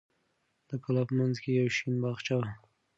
د کلا په منځ کې یو شین باغچه وه.